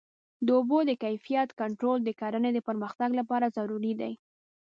د اوبو د کیفیت کنټرول د کرنې د پرمختګ لپاره ضروري دی.